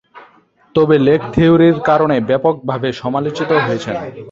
তবে, লেগ-থিওরির কারণে ব্যাপকভাবে সমালোচিত হন।